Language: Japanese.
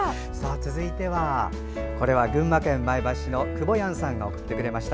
続いては、群馬県前橋市の久保やんさんが送ってくれました。